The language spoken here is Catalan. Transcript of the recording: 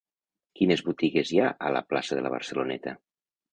Quines botigues hi ha a la plaça de la Barceloneta?